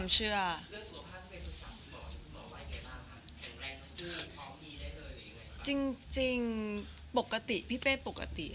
จะรักเธอเพียงคนเดียว